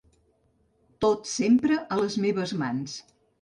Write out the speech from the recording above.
Tot sempre a les meves mans.